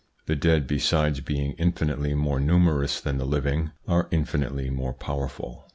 The dead, besides being infinitely more numerous than the living, are infinitely more powerful.